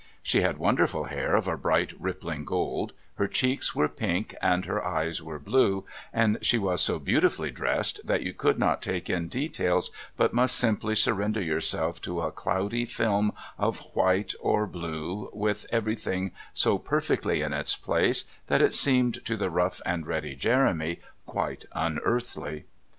She had wonderful hair of a bright rippling gold; her cheeks were pink and her eyes were blue, and she was so beautifully dressed that you could not take in details but must simply surrender yourself to a cloudy film of white or blue, with everything so perfectly in its place that it seemed to the rough and ready Jeremy quite unearthly.